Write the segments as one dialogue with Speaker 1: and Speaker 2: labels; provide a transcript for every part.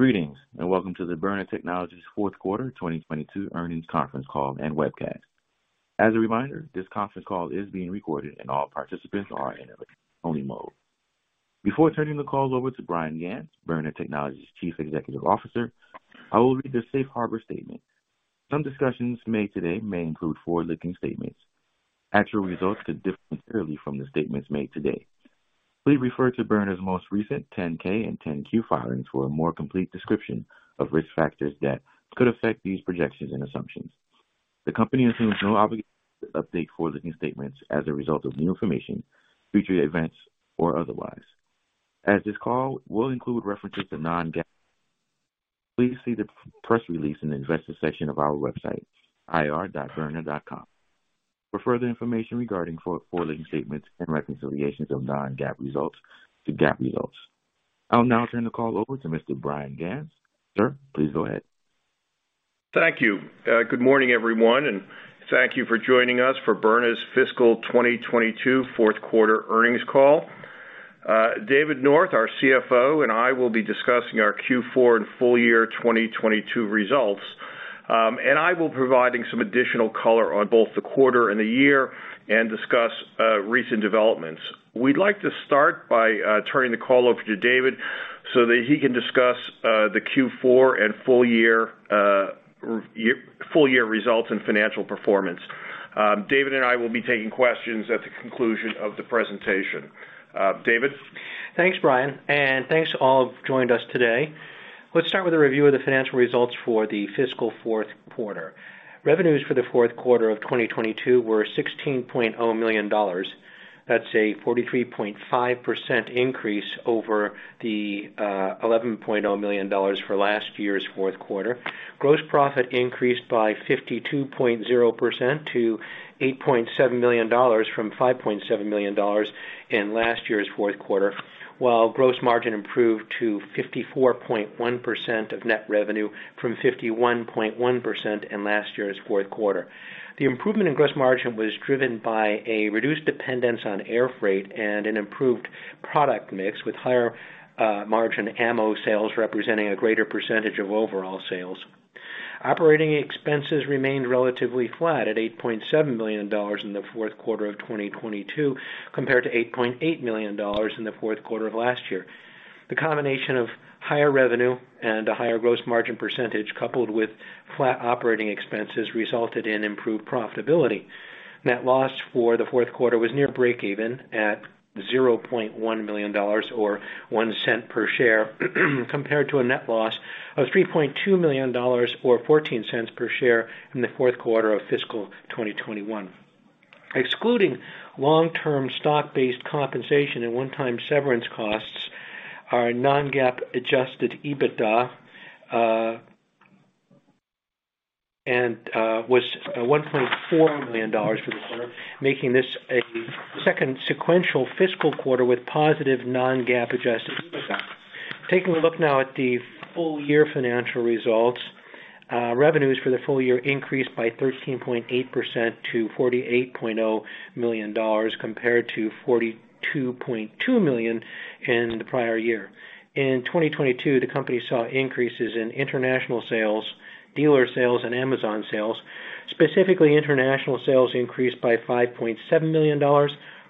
Speaker 1: Greetings, welcome to the Byrna Technologies fourth quarter 2022 earnings conference call and webcast. As a reminder, this conference call is being recorded and all participants are in a read-only mode. Before turning the call over to Bryan Ganz, Byrna Technologies Chief Executive Officer, I will read the safe harbor statement. Some discussions made today may include forward-looking statements. Actual results could differ materially from the statements made today. Please refer to Byrna's most recent 10-K and 10-Q filings for a more complete description of risk factors that could affect these projections and assumptions. The company assumes no obligation to update forward-looking statements as a result of new information, future events, or otherwise. This call will include references to non-GAAP. Please see the press release in the investor section of our website ir.byrna.com for further information regarding forward-looking statements and reconciliations of non-GAAP results to GAAP results. I'll now turn the call over to Mr. Bryan Ganz. Sir, please go ahead.
Speaker 2: Thank you. Good morning, everyone, and thank you for joining us for Byrna's fiscal 2022 fourth quarter earnings call. David North, our CFO, and I will be discussing our Q4 and full year 2022 results. I will be providing some additional color on both the quarter and the year and discuss recent developments. We'd like to start by turning the call over to David so that he can discuss the Q4 and full year results and financial performance. David and I will be taking questions at the conclusion of the presentation. David.
Speaker 3: Thanks, Bryan, and thanks to all who have joined us today. Let's start with a review of the financial results for the fiscal fourth quarter. Revenues for the fourth quarter of 2022 were $16.0 million. That's a 43.5% increase over the $11.0 million for last year's fourth quarter. Gross profit increased by 52.0% to $8.7 million from $5.7 million in last year's fourth quarter. While gross margin improved to 54.1% of net revenue from 51.1% in last year's fourth quarter. The improvement in gross margin was driven by a reduced dependence on air freight and an improved product mix, with higher margin ammo sales representing a greater percentage of overall sales. Operating expenses remained relatively flat at $8.7 million in the fourth quarter of 2022, compared to $8.8 million in the fourth quarter of last year. The combination of higher revenue and a higher gross margin percentage, coupled with flat operating expenses, resulted in improved profitability. Net loss for the fourth quarter was near breakeven at $0.1 million or $0.01 per share, compared to a net loss of $3.2 million or $0.14 per share in the fourth quarter of fiscal 2021. Excluding long-term stock-based compensation and one-time severance costs, our non-GAAP adjusted EBITDA was $1.4 million for the quarter, making this a second sequential fiscal quarter with positive non-GAAP adjusted EBITDA. Taking a look now at the full year financial results. Revenues for the full year increased by 13.8% to $48.0 million, compared to $42.2 million in the prior year. In 2022, the company saw increases in international sales, dealer sales, and Amazon sales. Specifically, international sales increased by $5.7 million or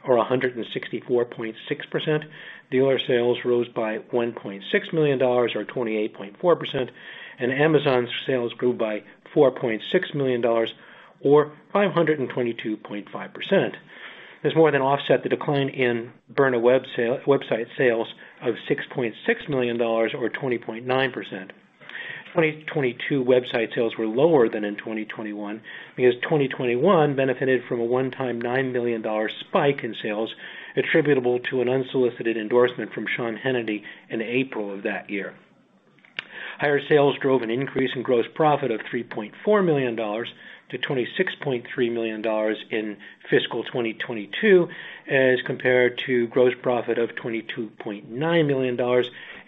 Speaker 3: 164.6%. Dealer sales rose by $1.6 million or 28.4%, and Amazon sales grew by $4.6 million or 522.5%. This more than offset the decline in Byrna website sales of $6.6 million or 20.9%. 2022 website sales were lower than in 2021 because 2021 benefited from a one-time $9 million spike in sales attributable to an unsolicited endorsement from Sean Hannity in April of that year. Higher sales drove an increase in gross profit of $3.4 million-$26.3 million in fiscal 2022 as compared to gross profit of $22.9 million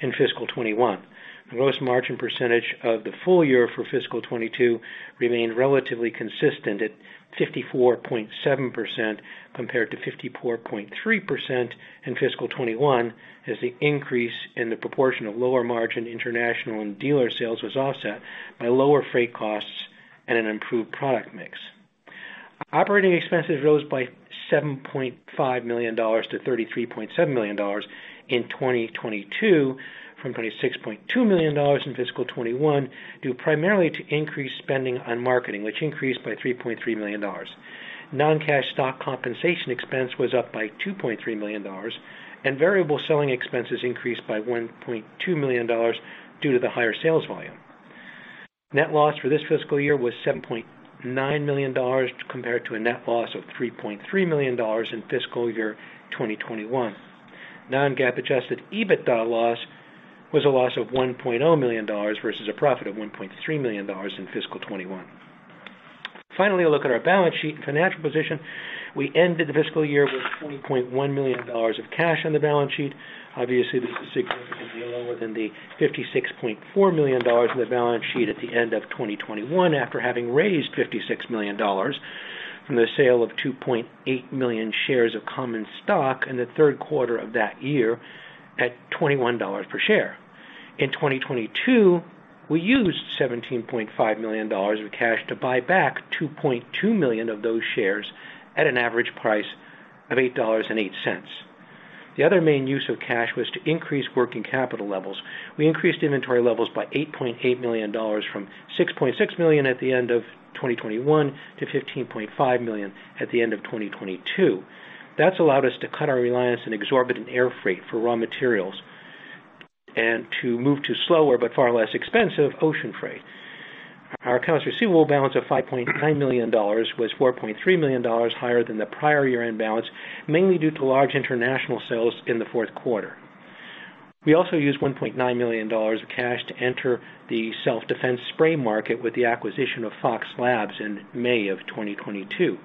Speaker 3: in fiscal 2021. The gross margin percentage of the full year for fiscal 2022 remained relatively consistent at 54.7% compared to 54.3% in fiscal 2021, as the increase in the proportion of lower margin international and dealer sales was offset by lower freight costs and an improved product mix. Operating expenses rose by $7.5 million-$33.7 million in 2022 from $26.2 million in fiscal 2021, due primarily to increased spending on marketing, which increased by $3.3 million. Non-cash stock compensation expense was up by $2.3 million, and variable selling expenses increased by $1.2 million due to the higher sales volume. Net loss for this fiscal year was $7.9 million, compared to a net loss of $3.3 million in fiscal year 2021. Non-GAAP adjusted EBITDA loss was a loss of $1.0 million versus a profit of $1.3 million in fiscal 2021. Finally, a look at our balance sheet and financial position. We ended the fiscal year with $20.1 million of cash on the balance sheet. Obviously, this is significantly lower than the $56.4 million in the balance sheet at the end of 2021 after having raised $56 million. From the sale of 2.8 million shares of common stock in the third quarter of that year at $21 per share. In 2022, we used $17.5 million of cash to buy back 2.2 million of those shares at an average price of $8.08. The other main use of cash was to increase working capital levels. We increased inventory levels by $8.8 million from $6.6 million at the end of 2021 to $15.5 million at the end of 2022. That's allowed us to cut our reliance on exorbitant air freight for raw materials and to move to slower but far less expensive ocean freight. Our accounts receivable balance of $5.9 million was $4.3 million higher than the prior year-end balance, mainly due to large international sales in the fourth quarter. We also used $1.9 million of cash to enter the self-defense spray market with the acquisition of Fox Labs in May of 2022.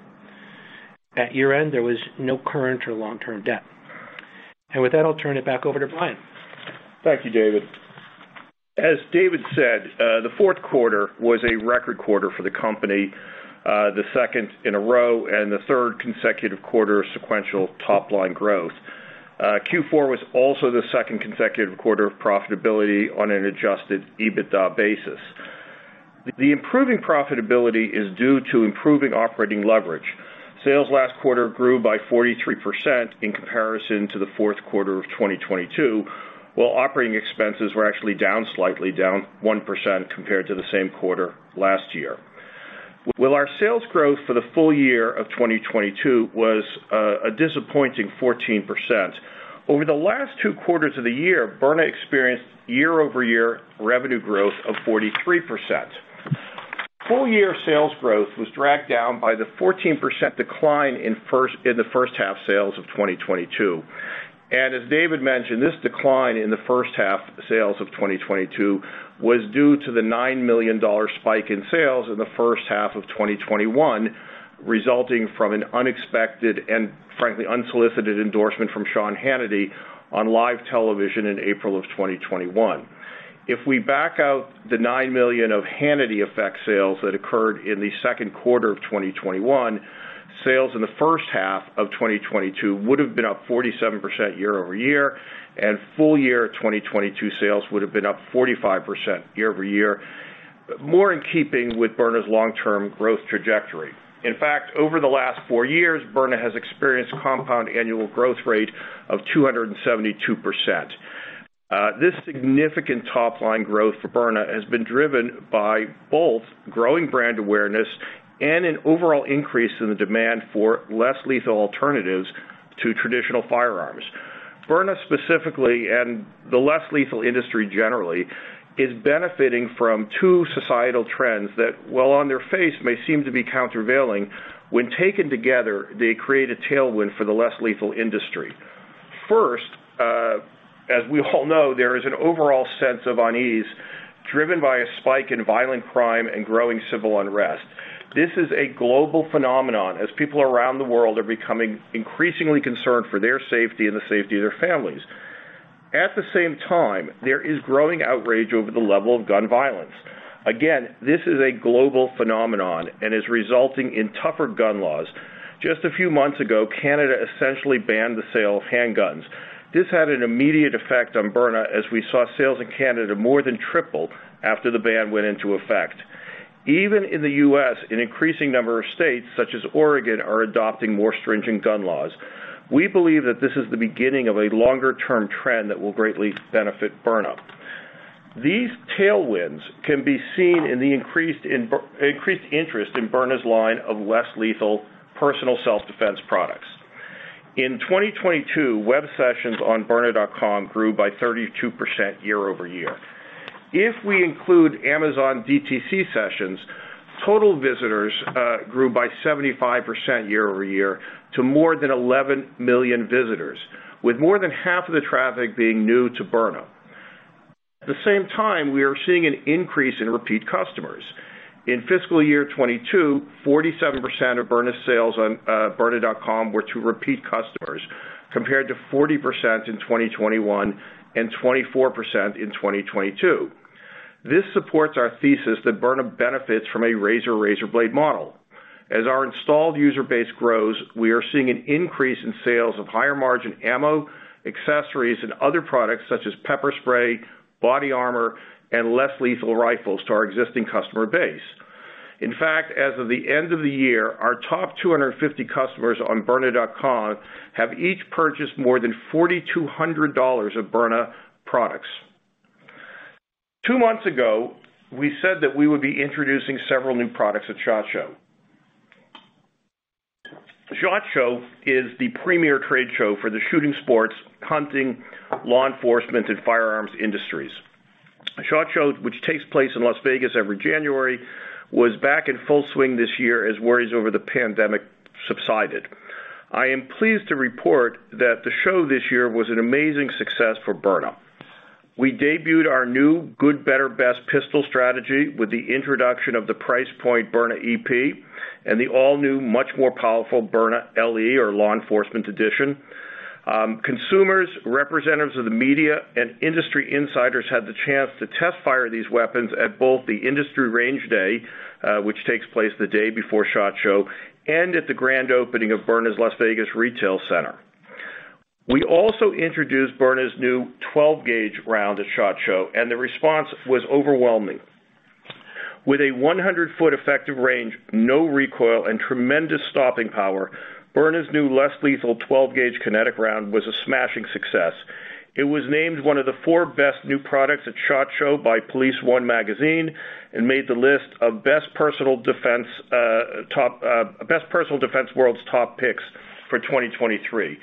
Speaker 3: At year-end, there was no current or long-term debt. With that, I'll turn it back over to Bryan.
Speaker 2: Thank you, David. As David said, the fourth quarter was a record quarter for the company, the second in a row and the third consecutive quarter sequential top-line growth. Q4 was also the second consecutive quarter of profitability on an adjusted EBITDA basis. The improving profitability is due to improving operating leverage. Sales last quarter grew by 43% in comparison to the fourth quarter of 2022, while operating expenses were actually down slightly, down 1% compared to the same quarter last year. While our sales growth for the full year of 2022 was a disappointing 14%, over the last two quarters of the year, Byrna experienced year-over-year revenue growth of 43%. Full-year sales growth was dragged down by the 14% decline in the first half sales of 2022. As David mentioned, this decline in the first half sales of 2022 was due to the $9 million spike in sales in the first half of 2021, resulting from an unexpected and frankly, unsolicited endorsement from Sean Hannity on live television in April of 2021. If we back out the $9 million of Hannity effect sales that occurred in the second quarter of 2021, sales in the first half of 2022 would have been up 47% year-over-year, and full year 2022 sales would have been up 45% year-over-year. More in keeping with Byrna's long-term growth trajectory. In fact, over the last four years, Byrna has experienced compound annual growth rate of 272%. This significant top-line growth for Byrna has been driven by both growing brand awareness and an overall increase in the demand for less lethal alternatives to traditional firearms. Byrna specifically, and the less lethal industry generally, is benefiting from two societal trends that, while on their face, may seem to be countervailing. When taken together, they create a tailwind for the less lethal industry. First, as we all know, there is an overall sense of unease driven by a spike in violent crime and growing civil unrest. This is a global phenomenon as people around the world are becoming increasingly concerned for their safety and the safety of their families. At the same time, there is growing outrage over the level of gun violence. Again, this is a global phenomenon and is resulting in tougher gun laws. Just a few months ago, Canada essentially banned the sale of handguns. This had an immediate effect on Byrna, as we saw sales in Canada more than triple after the ban went into effect. Even in the U.S., an increasing number of states, such as Oregon, are adopting more stringent gun laws. We believe that this is the beginning of a longer-term trend that will greatly benefit Byrna. These tailwinds can be seen in the increased interest in Byrna's line of less lethal personal self-defense products. In 2022, web sessions on byrna.com grew by 32% year-over-year. If we include Amazon DTC sessions, total visitors grew by 75% year-over-year to more than 11 million visitors, with more than half of the traffic being new to Byrna. At the same time, we are seeing an increase in repeat customers. In fiscal year 2022, 47% of Byrna sales on byrna.com were to repeat customers, compared to 40% in 2021 and 24% in 2022. This supports our thesis that Byrna benefits from a razor razor blade model. As our installed user base grows, we are seeing an increase in sales of higher margin ammo, accessories, and other products such as pepper spray, body armor, and less lethal rifles to our existing customer base. In fact, as of the end of the year, our top 250 customers on byrna.com have each purchased more than $4,200 of Byrna products. Two months ago, we said that we would be introducing several new products at SHOT Show. SHOT Show is the premier trade show for the shooting sports, hunting, law enforcement, and firearms industries. SHOT Show, which takes place in Las Vegas every January, was back in full swing this year as worries over the pandemic subsided. I am pleased to report that the show this year was an amazing success for Byrna. We debuted our new good, better, best pistol strategy with the introduction of the price point Byrna EP and the all-new, much more powerful Byrna LE or Law Enforcement Edition. Consumers, representatives of the media, and industry insiders had the chance to test-fire these weapons at both the Industry Range Day, which takes place the day before SHOT Show, and at the grand opening of Byrna's Las Vegas Retail Center. We also introduced Byrna's new 12-gauge round at SHOT Show. The response was overwhelming. With a 100-foot effective range, no recoil, and tremendous stopping power, Byrna's new less lethal 12-gauge kinetic round was a smashing success. It was named one of the four best new products at SHOT Show by Police1 Magazine and made the list of best Personal Defense World's top picks for 2023.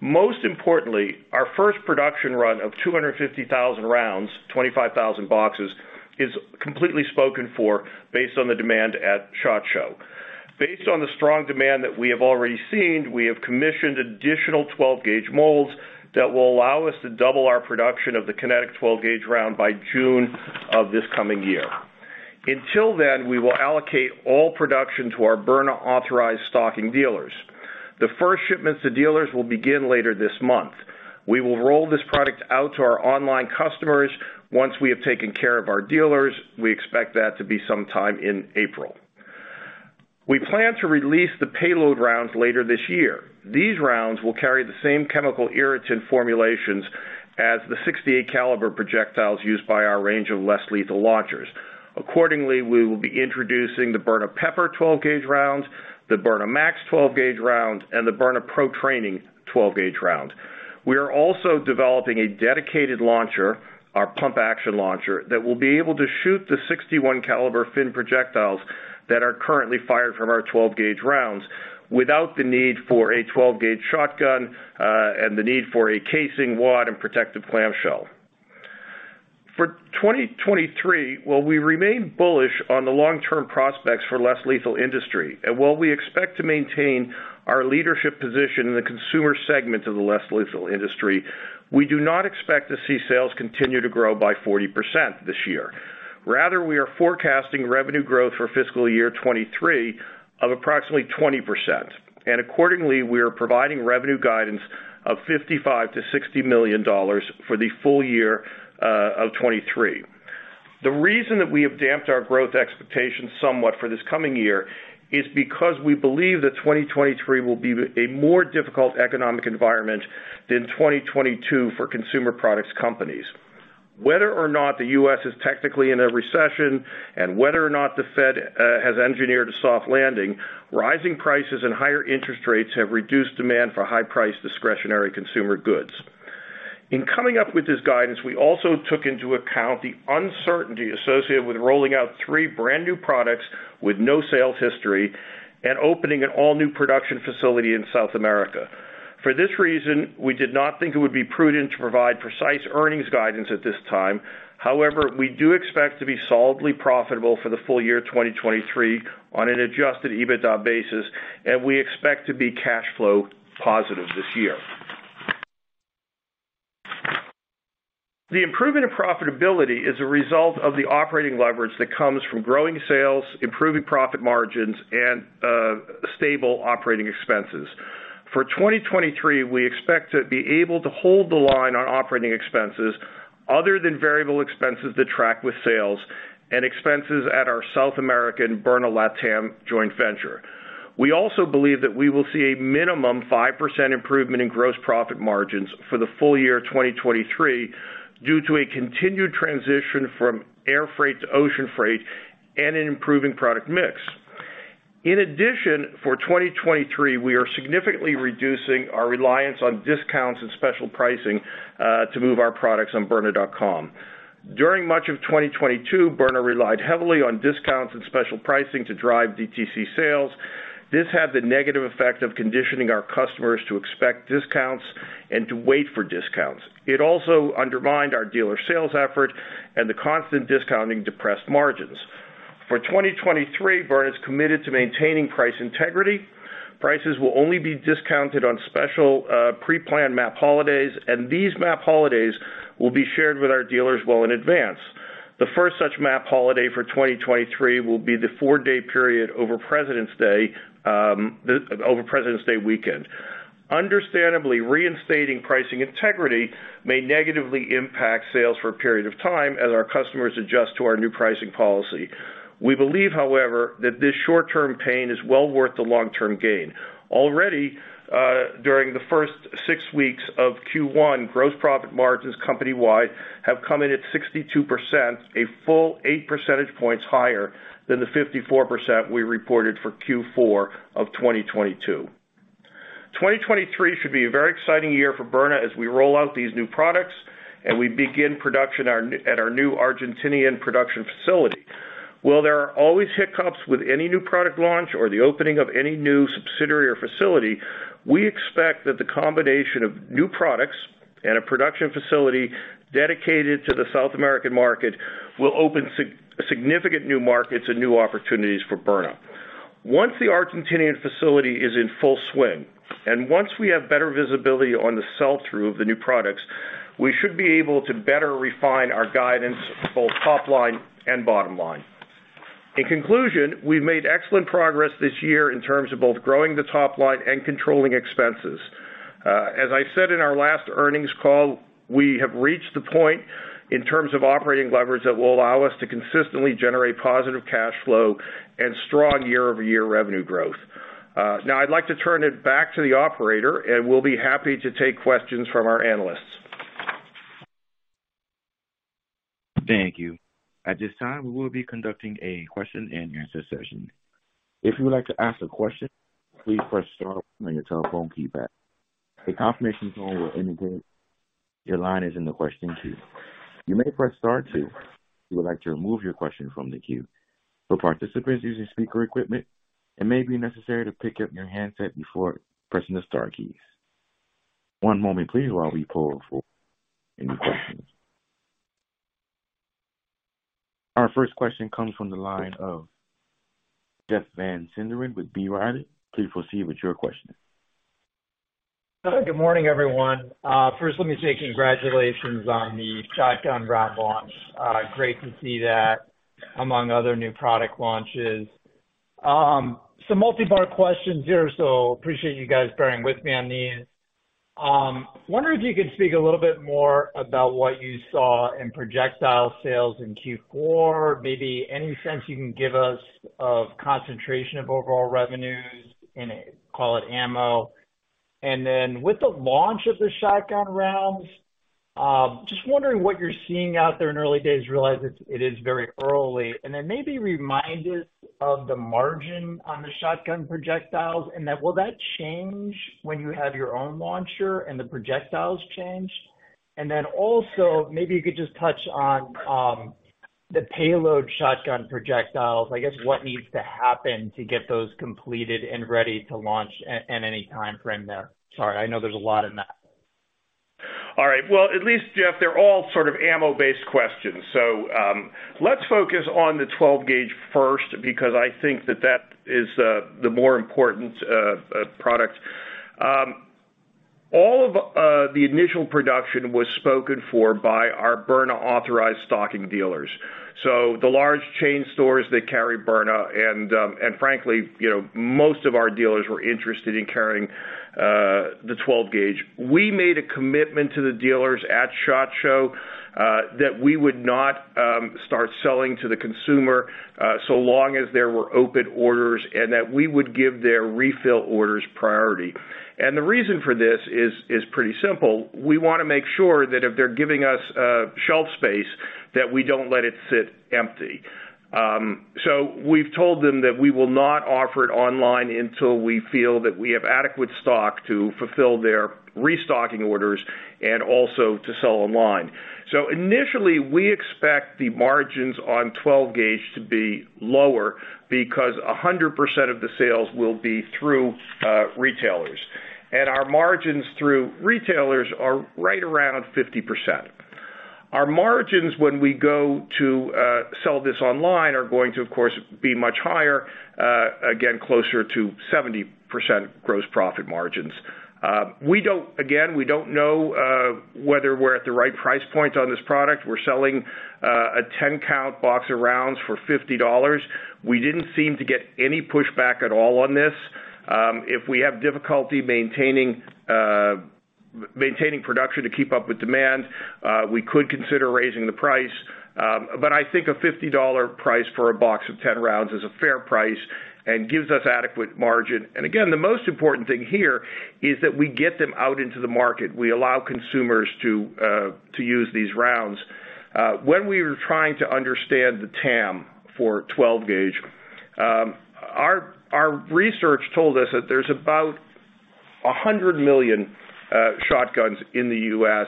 Speaker 2: Most importantly, our first production run of 250,000 rounds, 25,000 boxes, is completely spoken for based on the demand at SHOT Show. Based on the strong demand that we have already seen, we have commissioned additional 12-gauge molds that will allow us to double our production of the kinetic 12-gauge round by June of this coming year. We will allocate all production to our Byrna-authorized stocking dealers. The first shipments to dealers will begin later this month. We will roll this product out to our online customers once we have taken care of our dealers. We expect that to be sometime in April. We plan to release the payload rounds later this year. These rounds will carry the same chemical irritant formulations as the 68 caliber projectiles used by our range of less lethal launchers. Accordingly, we will be introducing the Byrna Pepper 12-gauge rounds, the Byrna Max 12-gauge rounds, and the Byrna Pro Training 12-gauge rounds. We are also developing a dedicated launcher, our pump action launcher, that will be able to shoot the 61 caliber finned projectiles that are currently fired from our 12-gauge rounds without the need for a 12-gauge shotgun, and the need for a casing wad and protective clamshell. For 2023, while we remain bullish on the long-term prospects for less lethal industry, and while we expect to maintain our leadership position in the consumer segment of the less lethal industry, we do not expect to see sales continue to grow by 40% this year. We are forecasting revenue growth for fiscal year 2023 of approximately 20%. Accordingly, we are providing revenue guidance of $55 million-$60 million for the full year of 2023. The reason that we have damped our growth expectations somewhat for this coming year is because we believe that 2023 will be a more difficult economic environment than 2022 for consumer products companies. Whether or not the US is technically in a recession and whether or not the Fed has engineered a soft landing, rising prices and higher interest rates have reduced demand for high-priced discretionary consumer goods. In coming up with this guidance, we also took into account the uncertainty associated with rolling out three brand-new products with no sales history and opening an all-new production facility in South America. For this reason, we did not think it would be prudent to provide precise earnings guidance at this time. However, we do expect to be solidly profitable for the full year 2023 on an adjusted EBITDA basis, and we expect to be cash flow positive this year. The improvement of profitability is a result of the operating leverage that comes from growing sales, improving profit margins, and stable operating expenses. For 2023, we expect to be able to hold the line on operating expenses other than variable expenses that track with sales and expenses at our South American Byrna LATAM joint venture. We also believe that we will see a minimum 5% improvement in gross profit margins for the full year of 2023 due to a continued transition from air freight to ocean freight and an improving product mix. In addition, for 2023, we are significantly reducing our reliance on discounts and special pricing to move our products on byrna.com. During much of 2022, Byrna relied heavily on discounts and special pricing to drive DTC sales. This had the negative effect of conditioning our customers to expect discounts and to wait for discounts. It also undermined our dealer sales effort and the constant discounting depressed margins. For 2023, Byrna is committed to maintaining price integrity. Prices will only be discounted on special, pre-planned MAP holidays, and these MAP holidays will be shared with our dealers well in advance. The first such MAP holiday for 2023 will be the 4-day period over President's Day, over President's Day weekend. Understandably, reinstating pricing integrity may negatively impact sales for a period of time as our customers adjust to our new pricing policy. We believe, however, that this short-term pain is well worth the long-term gain. Already, during the first six weeks of Q1, gross profit margins company-wide have come in at 62%, a full eight percentage points higher than the 54% we reported for Q4 of 2022. 2023 should be a very exciting year for Byrna as we roll out these new products and we begin production at our new Argentinian production facility. While there are always hiccups with any new product launch or the opening of any new subsidiary or facility, we expect that the combination of new products and a production facility dedicated to the South American market will open significant new markets and new opportunities for Byrna. Once the Argentinian facility is in full swing, once we have better visibility on the sell-through of the new products, we should be able to better refine our guidance, both top line and bottom line. In conclusion, we've made excellent progress this year in terms of both growing the top line and controlling expenses. As I said in our last earnings call, we have reached the point in terms of operating levers that will allow us to consistently generate positive cash flow and strong year-over-year revenue growth. Now I'd like to turn it back to the operator, we'll be happy to take questions from our analysts.
Speaker 1: Thank you. At this time, we will be conducting a question-and-answer session. If you would like to ask a question, please press star on your telephone keypad. A confirmation tone will indicate your line is in the question queue. You may press star two if you would like to remove your question from the queue. For participants using speaker equipment, it may be necessary to pick up your handset before pressing the star keys. One moment please, while we pull for any questions. Our first question comes from the line of Jeff Van Sinderen with B. Riley. Please proceed with your question.
Speaker 4: Good morning, everyone. First let me say congratulations on the shotgun round launch. Great to see that among other new product launches. Some multipart questions here, so appreciate you guys bearing with me on these. Wondering if you could speak a little bit more about what you saw in projectile sales in Q4. Maybe any sense you can give us of concentration of overall revenues in, call it ammo. With the launch of the shotgun rounds, just wondering what you're seeing out there in early days, realize it is very early, and then maybe remind us of the margin on the shotgun projectiles and that will that change when you have your own launcher and the projectiles change? Also maybe you could just touch on the payload shotgun projectiles, I guess what needs to happen to get those completed and ready to launch and any timeframe there. Sorry, I know there's a lot in that.
Speaker 2: Well, at least, Jeff, they're all sort of ammo-based questions. Let's focus on the 12-gauge first because I think that is the more important product. All of the initial production was spoken for by our Byrna-authorized stocking dealers, so the large chain stores that carry Byrna and, frankly, you know, most of our dealers were interested in carrying the 12-gauge. We made a commitment to the dealers at SHOT Show that we would not start selling to the consumer so long as there were open orders and that we would give their refill orders priority. The reason for this is pretty simple. We wanna make sure that if they're giving us shelf space that we don't let it sit empty. We've told them that we will not offer it online until we feel that we have adequate stock to fulfill their restocking orders and also to sell online. Initially, we expect the margins on 12 gauge to be lower because 100% of the sales will be through retailers. Our margins through retailers are right around 50%. Our margins when we go to sell this online are going to, of course, be much higher, again, closer to 70% gross profit margins. We don't know whether we're at the right price point on this product. We're selling a 10-count box of rounds for $50. We didn't seem to get any pushback at all on this. If we have difficulty maintaining production to keep up with demand, we could consider raising the price. I think a $50 price for a box of 10 rounds is a fair price and gives us adequate margin. Again, the most important thing here is that we get them out into the market. We allow consumers to use these rounds. When we were trying to understand the TAM for twelve gauge, our research told us that there's about 100 million shotguns in the U.S.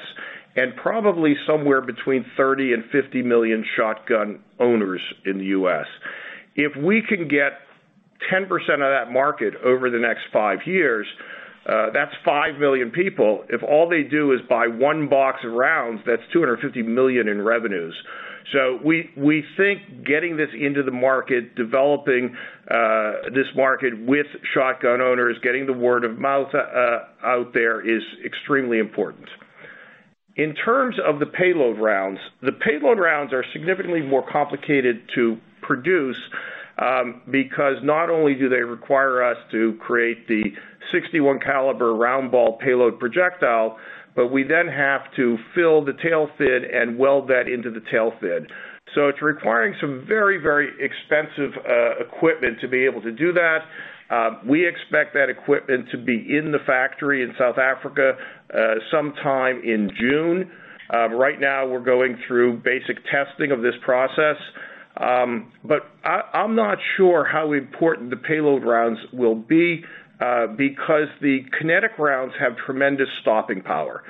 Speaker 2: and probably somewhere between 30 and 50 million shotgun owners in the U.S. If we can get 10% of that market over the next five years, that's 5 million people. If all they do is buy one box of rounds, that's $250 million in revenues. We think getting this into the market, developing this market with shotgun owners, getting the word of mouth out there is extremely important. In terms of the payload rounds, the payload rounds are significantly more complicated to produce because not only do they require us to create the 61 caliber round ball payload projectile, but we then have to fill the tail fin and weld that into the tail fin. It's requiring some very, very expensive equipment to be able to do that. We expect that equipment to be in the factory in South Africa sometime in June. Right now we're going through basic testing of this process. I'm not sure how important the payload rounds will be because the kinetic rounds have tremendous stopping power.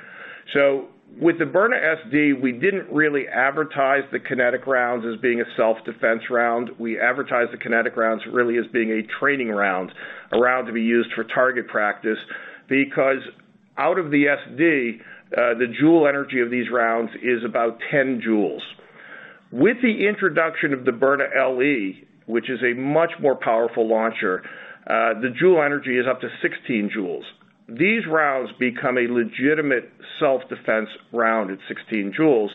Speaker 2: With the Byrna SD, we didn't really advertise the kinetic rounds as being a self-defense round. We advertise the kinetic rounds really as being a training round, a round to be used for target practice. Because out of the SD, the joule energy of these rounds is about 10 joules. With the introduction of the Byrna LE, which is a much more powerful launcher, the joule energy is up to 16 joules. These rounds become a legitimate self-defense round at 16 joules.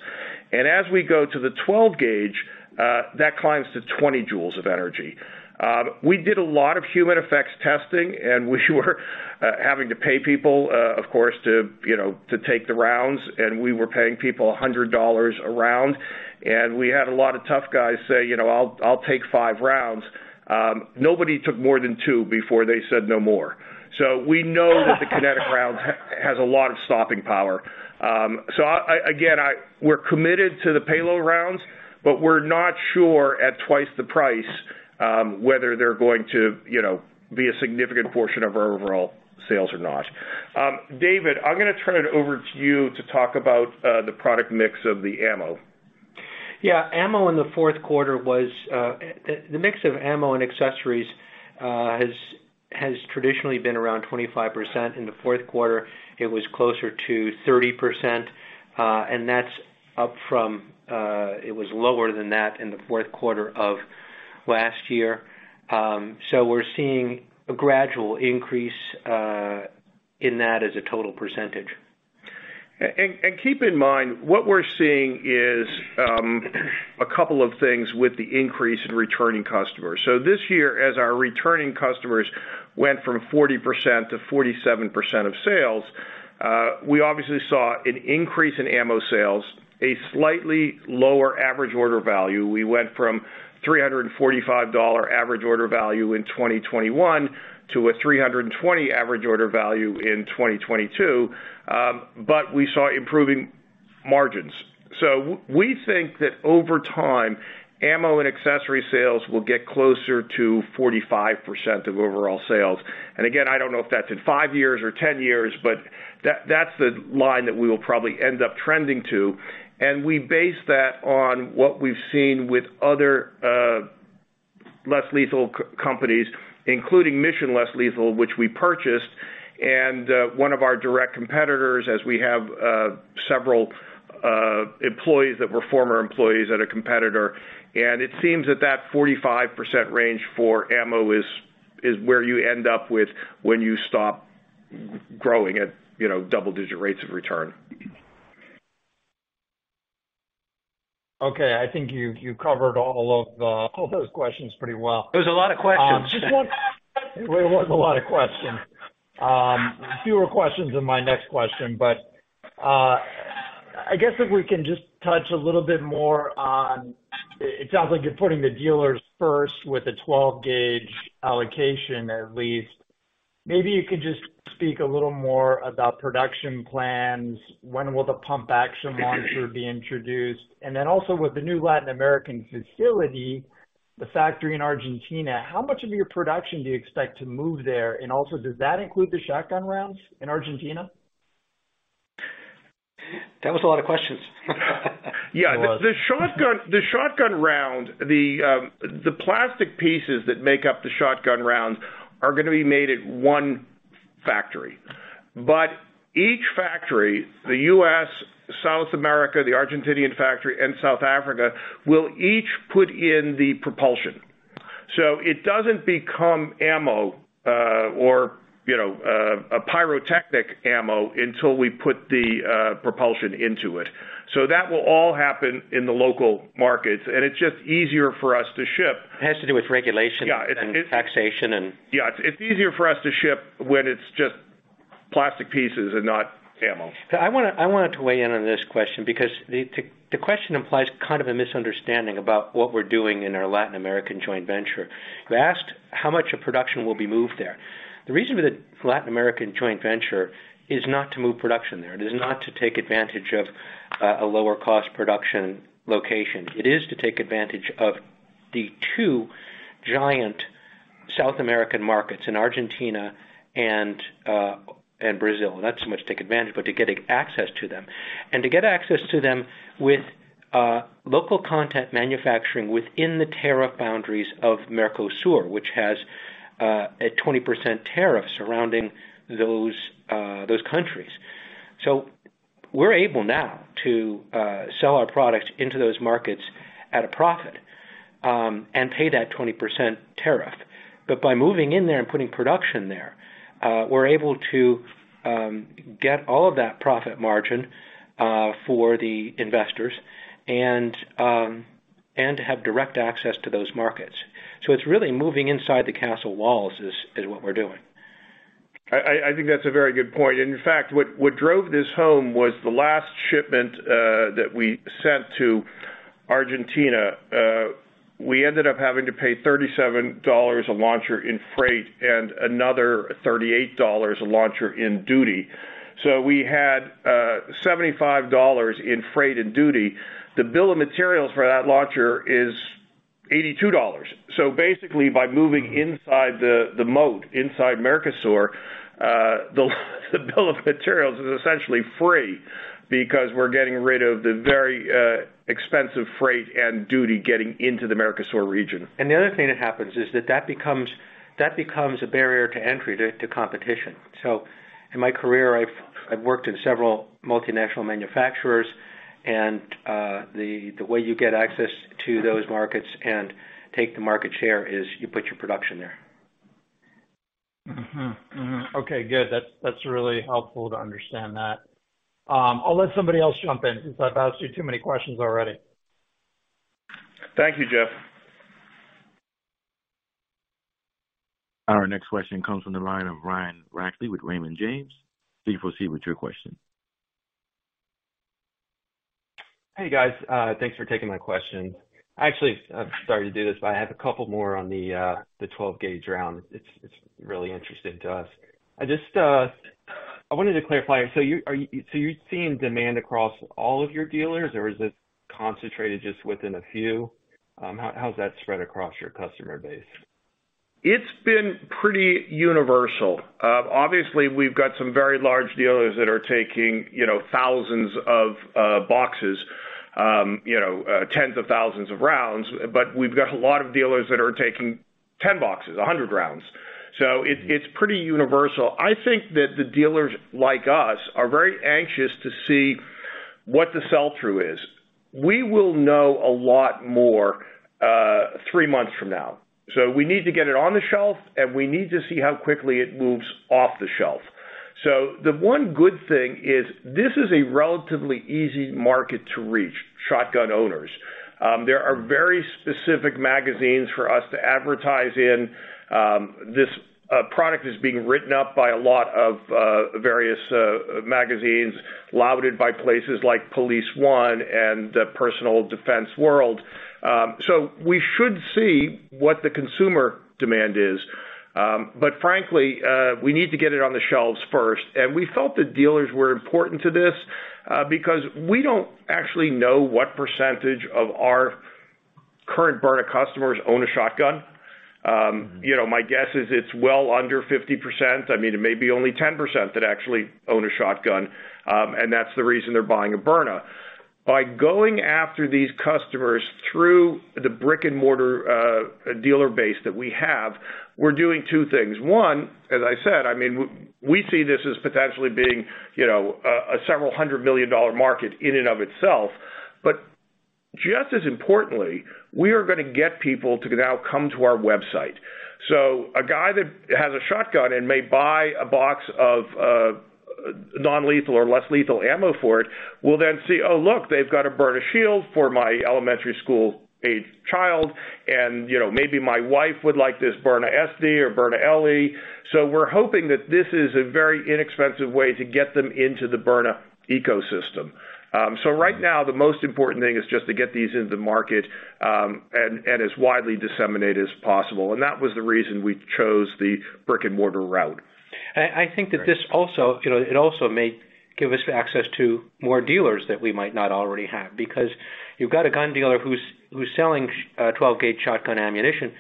Speaker 2: As we go to the twelve gauge, that climbs to 20 joules of energy. We did a lot of human effects testing, and we were having to pay people, of course, to, you know, to take the rounds, and we were paying people $100 a round. We had a lot of tough guys say, "You know, I'll take five rounds." Nobody took more than two before they said, "No more." We know that the kinetic round has a lot of stopping power. Again, we're committed to the payload rounds, but we're not sure at twice the price, whether they're going to, you know, be a significant portion of our overall sales or not. David, I'm gonna turn it over to you to talk about the product mix of the ammo.
Speaker 3: Yeah. The mix of ammo and accessories has traditionally been around 25%. In the fourth quarter, it was closer to 30%. That's up from it was lower than that in the fourth quarter of last year. We're seeing a gradual increase in that as a total percentage.
Speaker 2: Keep in mind, what we're seeing is a couple of things with the increase in returning customers. This year, as our returning customers went from 40%-47% of sales, we obviously saw an increase in ammo sales, a slightly lower average order value. We went from $345 average order value in 2021 to a $320 average order value in 2022, but we saw improving margins. We think that over time, ammo and accessory sales will get closer to 45% of overall sales. Again, I don't know if that's in 5 years or 10 years, but that's the line that we will probably end up trending to. We base that on what we've seen with other less lethal companies, including Mission Less Lethal, which we purchased, and one of our direct competitors as we have several employees that were former employees at a competitor. It seems that that 45% range for ammo is where you end up with when you stop growing at, you know, double-digit rates of return.
Speaker 4: Okay. I think you covered all of all those questions pretty well.
Speaker 3: It was a lot of questions.
Speaker 2: Um, just one-
Speaker 4: It was a lot of questions. Fewer questions in my next question, but I guess if we can just touch a little bit more on, it sounds like you're putting the dealers first with the 12-gauge allocation at least. Maybe you could just speak a little more about production plans. When will the pump action launcher be introduced? With the new Latin American facility, the factory in Argentina, how much of your production do you expect to move there? Does that include the shotgun rounds in Argentina?
Speaker 3: That was a lot of questions.
Speaker 2: Yeah.
Speaker 4: It was.
Speaker 2: The shotgun, the shotgun round, the plastic pieces that make up the shotgun rounds are gonna be made at one factory. Each factory, the U.S., South America, the Argentinian factory, and South Africa, will each put in the propulsion. It doesn't become ammo, or you know, a pyrotechnic ammo until we put the propulsion into it. That will all happen in the local markets, and it's just easier for us to ship-
Speaker 3: It has to do with regulation.
Speaker 2: Yeah...
Speaker 3: and taxation.
Speaker 2: Yeah, it's easier for us to ship when it's just plastic pieces and not ammo.
Speaker 3: I wanted to weigh in on this question because the question implies kind of a misunderstanding about what we're doing in our Latin American joint venture. You asked how much of production will be moved there. The reason for the Latin American joint venture is not to move production there. It is not to take advantage of a lower cost production location. It is to take advantage of the two giant South American markets in Argentina and Brazil. Not so much take advantage, but to getting access to them. To get access to them with local content manufacturing within the tariff boundaries of Mercosur, which has a 20% tariff surrounding those countries. We're able now to sell our products into those markets at a profit and pay that 20% tariff. By moving in there and putting production there, we're able to get all of that profit margin for the investors and to have direct access to those markets. It's really moving inside the castle walls is what we're doing.
Speaker 2: I think that's a very good point. In fact, what drove this home was the last shipment that we sent to Argentina, we ended up having to pay $37 a launcher in freight and another $38 a launcher in duty. We had $75 in freight and duty. The bill of materials for that launcher is $82. Basically, by moving inside the moat, inside Mercosur, the bill of materials is essentially free because we're getting rid of the very expensive freight and duty getting into the Mercosur region.
Speaker 3: The other thing that happens is that becomes a barrier to entry to competition. In my career, I've worked in several multinational manufacturers. The way you get access to those markets and take the market share is you put your production there.
Speaker 4: Okay, good. That's really helpful to understand that. I'll let somebody else jump in since I've asked you too many questions already.
Speaker 2: Thank you, Jeff.
Speaker 1: Our next question comes from the line of Ryan Rackley with Raymond James. Please proceed with your question.
Speaker 5: Hey, guys. Actually, I'm sorry to do this, but I have a couple more on the 12-gauge round. It's really interesting to us. I just wanted to clarify. Are you seeing demand across all of your dealers, or is it concentrated just within a few? How's that spread across your customer base?
Speaker 2: It's been pretty universal. Obviously, we've got some very large dealers that are taking, you know, thousands of boxes, you know, tens of thousands of rounds. We've got a lot of dealers that are taking 10 boxes, 100 rounds. It's pretty universal. I think that the dealers like us are very anxious to see what the sell-through is. We will know a lot more, three months from now. We need to get it on the shelf, and we need to see how quickly it moves off the shelf. The one good thing is this is a relatively easy market to reach, shotgun owners. There are very specific magazines for us to advertise in. This product is being written up by a lot of various magazines, lauded by places like Police1 and Personal Defense World. We should see what the consumer demand is. Frankly, we need to get it on the shelves first. We felt that dealers were important to this because we don't actually know what percentage of our current Byrna customers own a shotgun. You know, my guess is it's well under 50%. I mean, it may be only 10% that actually own a shotgun, that's the reason they're buying a Byrna. By going after these customers through the brick-and-mortar dealer base that we have, we're doing two things. One, as I said, I mean, we see this as potentially being, you know, a several hundred million dollar market in and of itself. Just as importantly, we are gonna get people to now come to our website. A guy that has a shotgun and may buy a box of non-lethal or less lethal ammo for it will then see, "Oh, look, they've got a Byrna Shield for my elementary school-aged child, and, you know, maybe my wife would like this Byrna SD or Byrna LE." We're hoping that this is a very inexpensive way to get them into the Byrna ecosystem. Right now, the most important thing is just to get these into the market, and as widely disseminated as possible, and that was the reason we chose the brick-and-mortar route.
Speaker 3: I think that you know, it also may give us access to more dealers that we might not already have. You've got a gun dealer who's selling 12-gauge shotgun ammunition,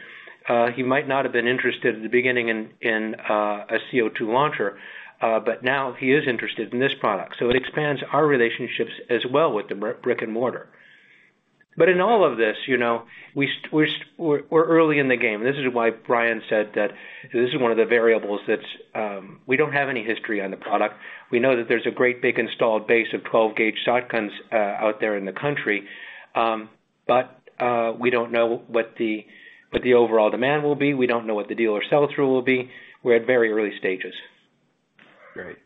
Speaker 3: he might not have been interested at the beginning in a CO2 launcher, but now he is interested in this product, so it expands our relationships as well with the brick and mortar. In all of this, you know, we're early in the game. This is why Bryan said that this is one of the variables that we don't have any history on the product. We know that there's a great big installed base of 12-gauge shotguns out there in the country. We don't know what the overall demand will be. We don't know what the dealer sell-through will be. We're at very early stages.
Speaker 5: Great.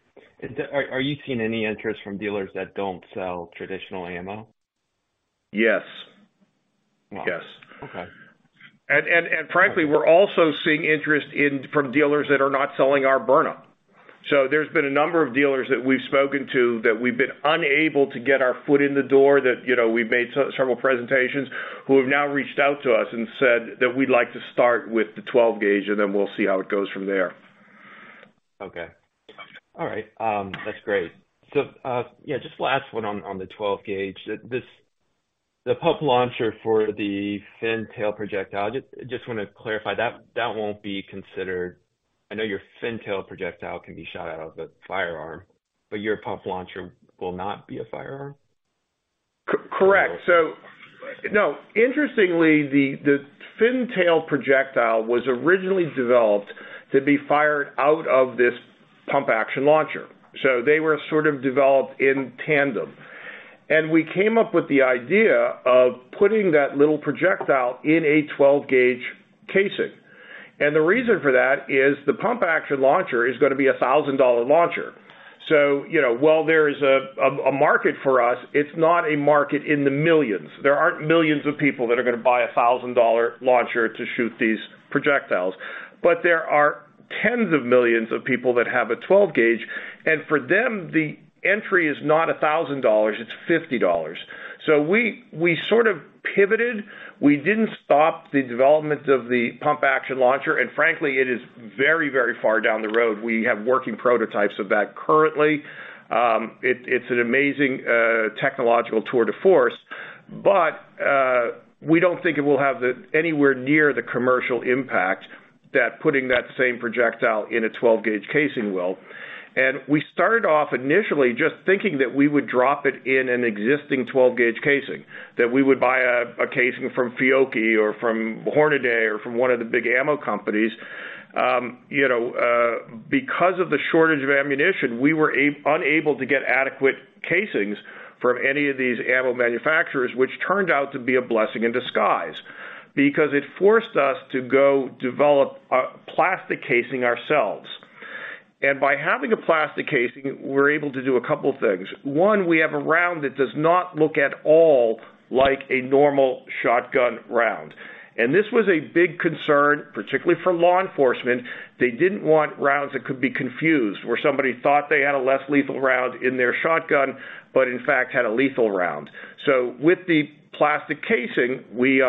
Speaker 5: Are you seeing any interest from dealers that don't sell traditional ammo?
Speaker 2: Yes. Yes.
Speaker 5: Okay.
Speaker 2: Frankly, we're also seeing interest from dealers that are not selling our Byrna. There's been a number of dealers that we've spoken to that we've been unable to get our foot in the door, that, you know, we've made several presentations, who have now reached out to us and said that we'd like to start with the 12 gauge. Then we'll see how it goes from there.
Speaker 5: Okay. All right. That's great. Yeah, just last one on the 12-gauge. This, the pump launcher for the fin tail projectile, I just wanna clarify. That, that won't be considered... I know your fin tail projectile can be shot out of a firearm, but your pump launcher will not be a firearm?
Speaker 2: Correct. No, interestingly, the fin tail projectile was originally developed to be fired out of this pump-action launcher, so they were sort of developed in tandem. We came up with the idea of putting that little projectile in a 12-gauge casing, and the reason for that is the pump-action launcher is going to be a $1,000 launcher. You know, while there is a market for us, it's not a market in the millions. There aren't millions of people that are going to buy a $1,000 launcher to shoot these projectiles. There are tens of millions of people that have a 12-gauge, and for them, the entry is not $1,000, it's $50. We sort of pivoted. We didn't stop the development of the pump-action launcher, and frankly, it is very far down the road. We have working prototypes of that currently. It's an amazing technological tour de force. We don't think it will have anywhere near the commercial impact that putting that same projectile in a 12-gauge casing will. We started off initially just thinking that we would drop it in an existing 12-gauge casing, that we would buy a casing from Fiocchi or from Hornady or from one of the big ammo companies. You know, because of the shortage of ammunition, we were unable to get adequate casings from any of these ammo manufacturers, which turned out to be a blessing in disguise because it forced us to go develop a plastic casing ourselves. By having a plastic casing, we're able to do a couple things. 1, we have a round that does not look at all like a normal shotgun round. This was a big concern, particularly for law enforcement. They didn't want rounds that could be confused, where somebody thought they had a less lethal round in their shotgun but in fact had a lethal round. With the plastic casing, we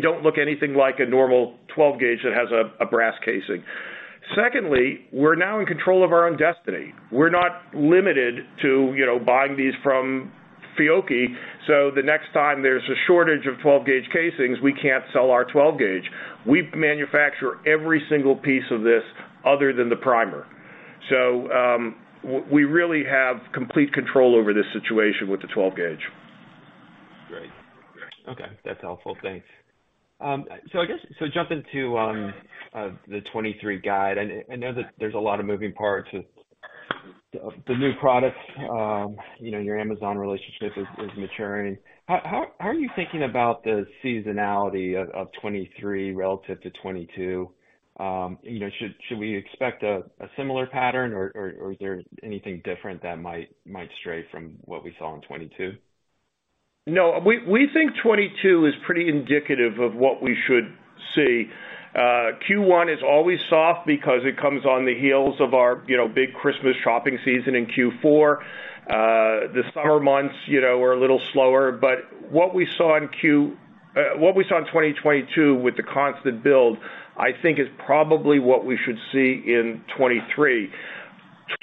Speaker 2: don't look anything like a normal 12 gauge that has a brass casing. Secondly, we're now in control of our own destiny. We're not limited to, you know, buying these from Fiocchi. The next time there's a shortage of 12 gauge casings, we can't sell our 12 gauge. We manufacture every single piece of this other than the primer. We really have complete control over this situation with the 12 gauge.
Speaker 5: Great. Okay, that's helpful. Thanks. I guess, jumping to the 2023 guide, I know that there's a lot of moving parts with the new products. You know, your Amazon relationship is maturing. How are you thinking about the seasonality of 2023 relative to 2022? You know, should we expect a similar pattern or is there anything different that might stray from what we saw in 2022?
Speaker 2: We think 2022 is pretty indicative of what we should see. Q1 is always soft because it comes on the heels of our, you know, big Christmas shopping season in Q4. The summer months, you know, are a little slower. What we saw in 2022 with the constant build, I think is probably what we should see in 2023.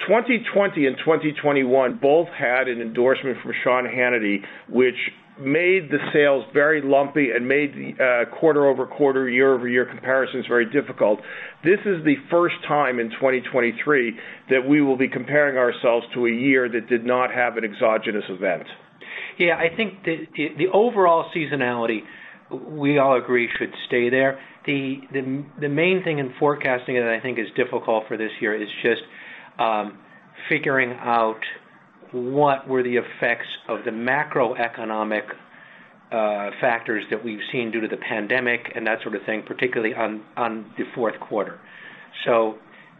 Speaker 2: 2020 and 2021 both had an endorsement from Sean Hannity, which made the sales very lumpy and made quarter-over-quarter, year-over-year comparisons very difficult. This is the first time in 2023 that we will be comparing ourselves to a year that did not have an exogenous event.
Speaker 3: Yeah, I think the overall seasonality, we all agree should stay there. The main thing in forecasting and I think is difficult for this year is just figuring out what were the effects of the macroeconomic factors that we've seen due to the pandemic and that sort of thing, particularly on the fourth quarter.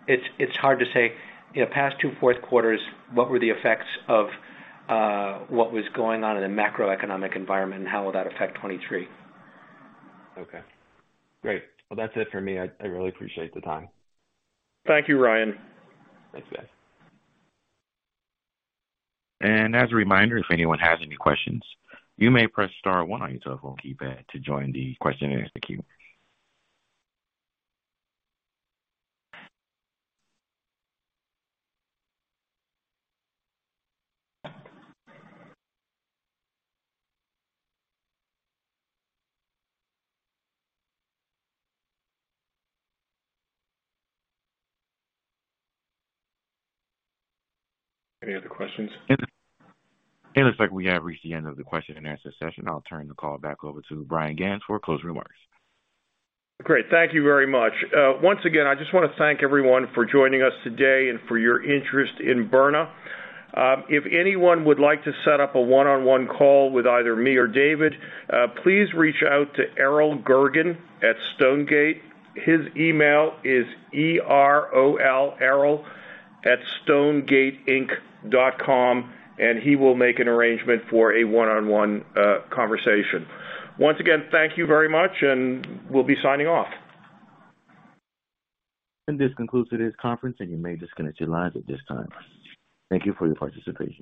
Speaker 3: It's hard to say, you know, past two fourth quarters, what were the effects of what was going on in the macroeconomic environment and how will that affect 2023?
Speaker 5: Okay, great. Well, that's it for me. I really appreciate the time.
Speaker 2: Thank you, Ryan.
Speaker 5: Thanks, guys.
Speaker 1: As a reminder, if anyone has any questions, you may press star one on your telephone keypad to join the question and answer queue.
Speaker 2: Any other questions?
Speaker 1: It looks like we have reached the end of the question and answer session. I'll turn the call back over to Bryan Ganz for closing remarks.
Speaker 2: Great. Thank you very much. Once again, I just wanna thank everyone for joining us today and for your interest in Byrna. If anyone would like to set up a one-on-one call with either me or David, please reach out to Erol Girgin at Stonegate. His email is E-R-O-L, Erol, @stonegateinc.com, and he will make an arrangement for a one-on-one conversation. Once again, thank you very much, and we'll be signing off.
Speaker 1: This concludes today's conference, and you may disconnect your lines at this time. Thank you for your participation.